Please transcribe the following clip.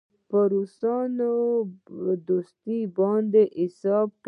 پر روسانو دوستي باندې حساب کوي.